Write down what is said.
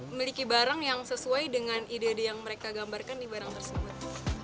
memiliki barang yang sesuai dengan ide ide yang mereka gambarkan di barang tersebut